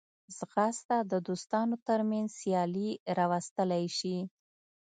ځغاسته د دوستانو ترمنځ سیالي راوستلی شي